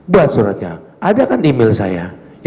buat suratnya ada kan email saya